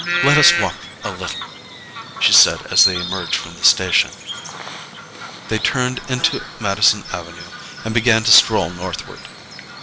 Let us walk a little," she said as they emerged from the station. They turned into Madison Avenue and began to stroll northward.